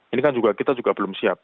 ini kan kita juga belum siap